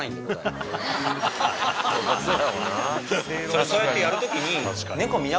それそうやってやるときに。